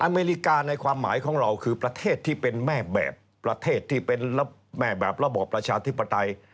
อเมริกาในความหมายของเราคือประเทศที่เป็นแม่แบบประเทศที่เป็นแม่แบบระบอบประชาธิปไตย